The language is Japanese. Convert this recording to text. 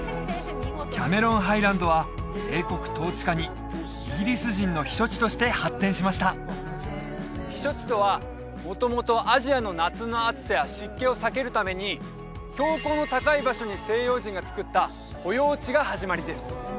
キャメロンハイランドは英国統治下にイギリス人の避暑地として発展しました避暑地とは元々アジアの夏の暑さや湿気を避けるために標高の高い場所に西洋人が作った保養地が始まりです